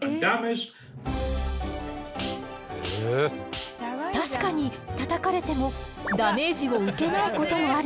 確かにたたかれてもダメージを受けないこともあるわね。